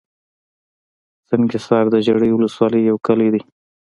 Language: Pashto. سنګحصار دژړۍ ولسوالۍ يٶ کلى دئ